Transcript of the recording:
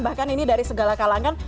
bahkan ini dari segala kalangan